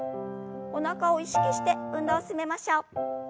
おなかを意識して運動を進めましょう。